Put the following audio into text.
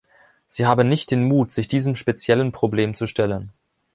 Sie haben nicht den Mut, sich diesem speziellen Problem zu stellen.